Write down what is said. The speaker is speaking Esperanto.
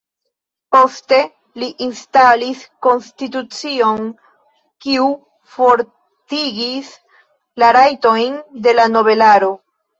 Poste li instalis konstitucion, kiu fortigis la rajtojn de la nobelaro.